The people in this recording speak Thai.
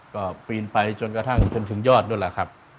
ก็ปีนไปจนถึงยอดนู้นแหละครับ